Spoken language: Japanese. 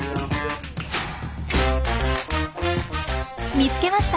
見つけました！